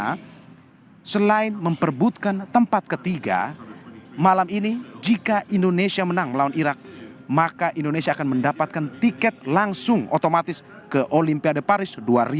karena selain memperbutkan tempat ketiga malam ini jika indonesia menang melawan irak maka indonesia akan mendapatkan tiket langsung otomatis ke olympia de paris dua ribu dua puluh empat